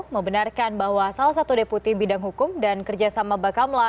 membenarkan bahwa salah satu deputi bidang hukum dan kerjasama bakamla